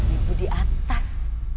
ibu di atas